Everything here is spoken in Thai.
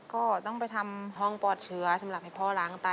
ก็ต้องไปทำห้องปลอดเชื้อสำหรับให้พ่อล้างไต